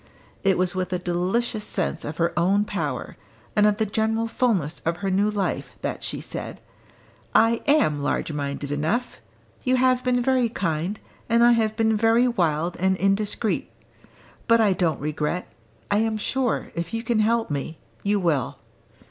It was with a delicious sense of her own power, and of the general fulness of her new life, that she said, "I am large minded enough! You have been very kind, and I have been very wild and indiscreet. But I don't regret: I am sure, if you can help me, you will."